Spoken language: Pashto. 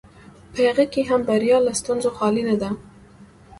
په هغه کې هم بریا له ستونزو خالي نه ده.